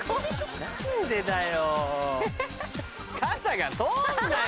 何でだよ。